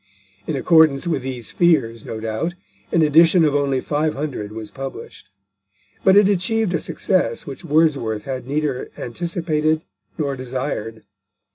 In accordance with these fears, no doubt, an edition of only 500 was published; but it achieved a success which Wordsworth had neither anticipated nor desired.